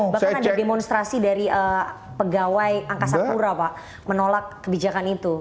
bahkan ada demonstrasi dari pegawai angkasa pura pak menolak kebijakan itu